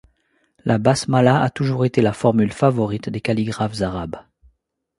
La basmala a toujours été la formule favorite des calligraphes arabes.